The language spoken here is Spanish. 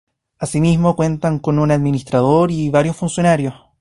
Asimismo, cuentan con un Administrador y varios funcionarios.